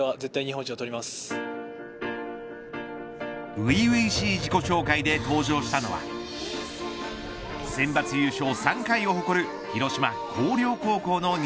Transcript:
初々しい自己紹介で登場したのはセンバツ優勝３回を誇る広島、広陵高校の２